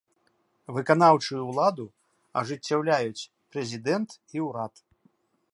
Выканаўчую ўладу ажыццяўляюць прэзідэнт і ўрад.